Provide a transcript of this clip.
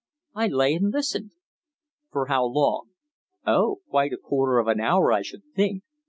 "I lay and listened." "For how long?" "Oh, quite a quarter of an hour, I should think.